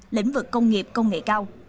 lĩnh vực công nghiệp công nghệ cao